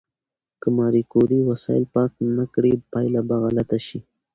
که ماري کوري وسایل پاک نه کړي، پایله به غلطه شي.